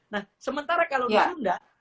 nah sementara kalau di sunda